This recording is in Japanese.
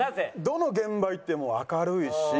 どの現場行っても明るいし。